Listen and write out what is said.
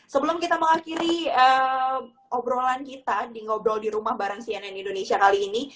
sebelum kita mengakhiri obrolan kita di ngobrol di rumah bareng cnn indonesia kali ini